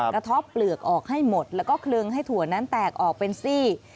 กระทบเปลือกออกให้หมดแล้วก็คลึงให้ถั่วนั้นแตกออกเป็นซี่